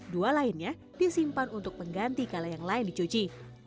dua lainnya disimpan untuk pengganti kalau yang lain dicuci